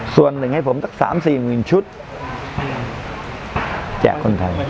ส่วนหนึ่งให้ผมสัก๓๔๐๐๐ชุดแจกคนไทย